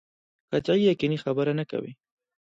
قطعي یقیني خبره نه کوي.